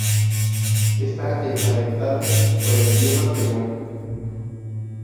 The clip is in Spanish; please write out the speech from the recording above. Está emparentado con el idioma pemón.